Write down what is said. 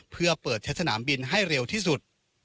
เพื่อเปิดใช้สนามบินให้เร็วที่สุด